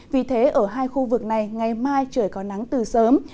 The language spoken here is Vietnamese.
vì thế ở hai khu vực này ngày mai trời có nắng từ sớm